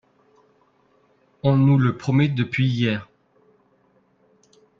On nous le promet depuis hier